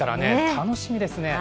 楽しみですね。